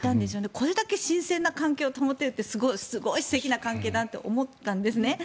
これだけ新鮮な関係を保てるってすごい素敵な関係だなと思ったんですね。